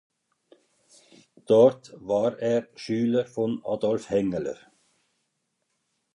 Dort war er Schüler von Adolf Hengeler.